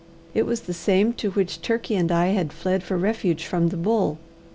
It was the same to which Turkey and I had fled for refuge from the bull.